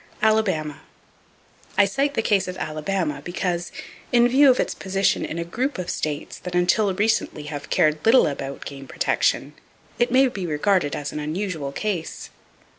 Alabama. —I cite the case of Alabama because, in view of its position in a group of states that until recently have cared little about game protection, it may be regarded as an unusual case.